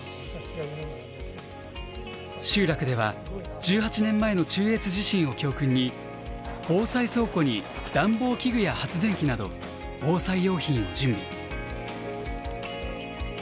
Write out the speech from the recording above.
集落では１８年前の中越地震を教訓に防災倉庫に暖房器具や発電機など防災用品を準備。